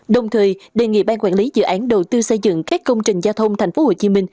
đồng thời đề nghị ban quản lý dự án đầu tư xây dựng các công trình giao thông tp hcm